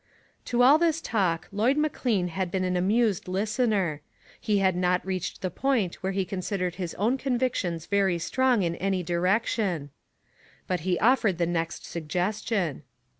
To all this talk Lloyd McLean had been an amused listener. He had not reached the point where he considered his own con victions very strong in any direction; but he offered the next suggestion.